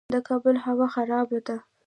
د کابل هوا خرابه ده